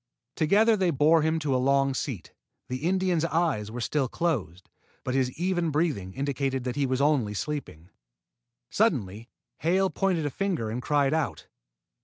Together they bore him to a long seat. The Indian's eyes were still closed, but his even breathing indicated that he was only sleeping. Suddenly Hale pointed a finger and cried out.